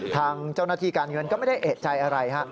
ทางเจ้าหน้าที่การเงินก็ไม่ได้เอกใจอะไรฮะ